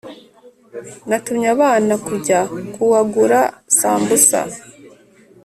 Natumye abana kujya kuagura sambusa